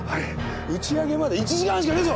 打ち上げまで１時間しかねぞ！